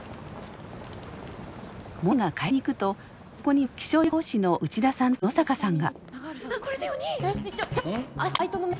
モネが会社に行くとそこには気象予報士の内田さんと野坂さんが。